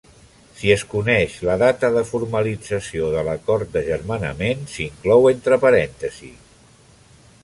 Si es coneix, la data de formalització de l'acord d'agermanament s'inclou entre parèntesis.